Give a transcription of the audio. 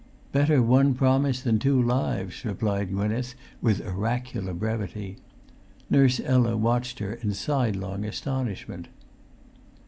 "Better one promise than two lives," replied Gwynneth, with oracular brevity. Nurse Ella watched her in sidelong astonishment.